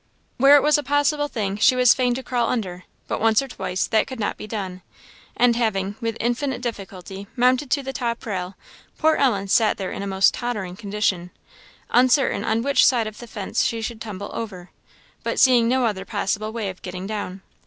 Where it was a possible thing, she was fain to crawl under; but one or twice that could not be done, and having, with infinite difficulty, mounted to the top rail, poor Ellen sat there in a most tottering condition, uncertain on which side of the fence she should tumble over, but seeing no other possible way of getting down.